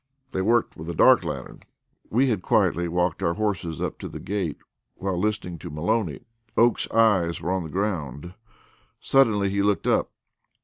They worked with a dark lantern." We had quietly walked our horses up to the gate while listening to Maloney. Oakes's eyes were upon the ground. Suddenly he looked up.